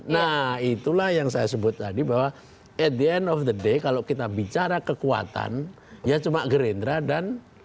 nah itulah yang saya sebut tadi bahwa at the end of the day kalau kita bicara kekuatan ya cuma gerindra dan